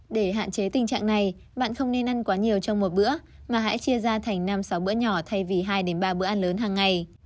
để hạn chế tình trạng này bạn không nên ăn quá nhiều trong một bữa mà hãy chia ra thành năm sáu bữa nhỏ thay vì hai ba bữa ăn lớn hàng ngày